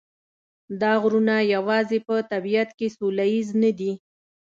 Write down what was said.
دا غرونه یوازې په طبیعت کې سوله ییز نه دي.